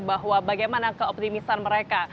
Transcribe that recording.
bahwa bagaimana keoptimisan mereka